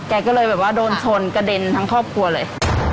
แกก็เลยแบบว่าโดนชนกระเด็นทั้งครอบครัวเลย